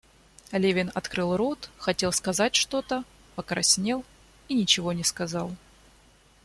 Левин открыл рот, хотел сказать что-то, покраснел и ничего не сказал.